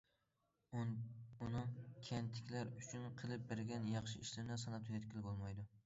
ئۇنىڭ كەنتتىكىلەر ئۈچۈن قىلىپ بەرگەن ياخشى ئىشلىرىنى ساناپ تۈگەتكىلى بولمايدۇ.